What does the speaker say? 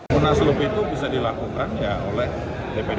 munaslup itu bisa dilakukan oleh dpd satu